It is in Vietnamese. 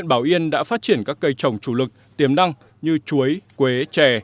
nên đã phát triển các cây trồng chủ lực tiềm năng như chuối quế trè